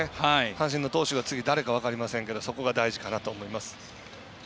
阪神の投手が次誰か分かりませんがそこが大事かなと思います。